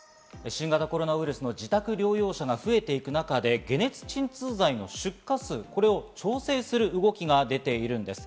新型コロナウイルスの自宅療養者が増えていく中で解熱鎮痛剤の出荷数、これを調整する動きが出ています。